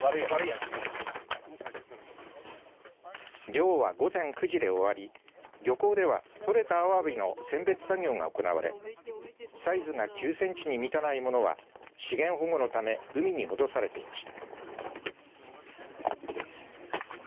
漁は午前９時で終わり漁港では取れたアワビの選別作業が行われサイズが９センチに満たないものは資源保護のため海に戻されていました。